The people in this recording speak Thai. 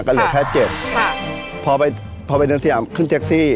ก็เหลือแค่เจ็ดค่ะพอไปพอไปเดินสยามขึ้นแท็กซี่